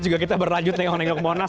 juga kita berlanjut dengan onengok monas